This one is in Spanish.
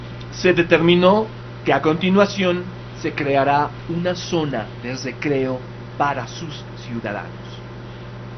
Se determinó que a continuación, se creara una zona de recreo para sus ciudadanos.